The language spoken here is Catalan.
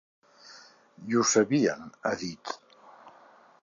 I ho sabien, ha dit.